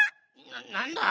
ななんだ？